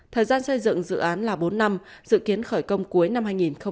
thời gian xây dựng dự án là bốn năm dự kiến khởi công cuối năm hai nghìn hai mươi